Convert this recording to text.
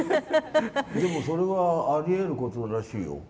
でもそれはあり得ることらしいよ。